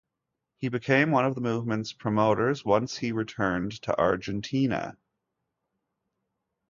He became one of the movement's promoters once he returned to Argentina.